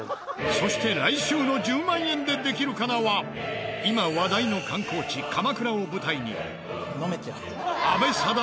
そして来週の『１０万円でできるかな』は今話題の観光地鎌倉を舞台に。